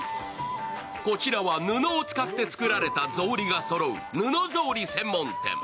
こちらは布を使って作られたぞうりがそろう布ぞうり専門店。